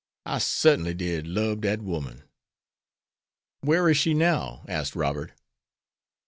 I sartinly did lub dat woman." "Where is she now?" asked Robert.